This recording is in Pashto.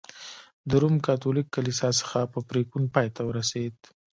د روم کاتولیک کلیسا څخه په پرېکون پای ته ورسېد.